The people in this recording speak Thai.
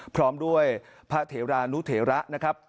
พร้อมด้วยพระเถรานุเถระนะครับ